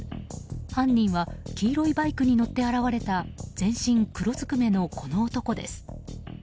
犯人は黄色いバイクに乗って現れた全身黒ずくめのこの男です。